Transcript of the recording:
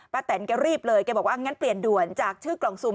แตนแกรีบเลยแกบอกว่างั้นเปลี่ยนด่วนจากชื่อกล่องซูม